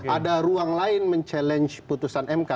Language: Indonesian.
ada ruang lain men challenge putusan mk